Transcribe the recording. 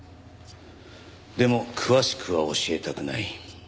でも詳しくは教えたくない。